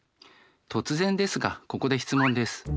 突然ですがここで質問です。